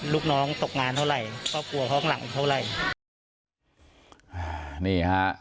ลูกน้องตกงานเท่าไหร่ก็ปลัวข้องหลังเท่าไหร่นี่ฮะ